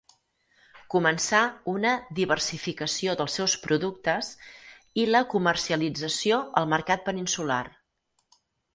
Començà una diversificació dels seus productes i la comercialització al mercat peninsular.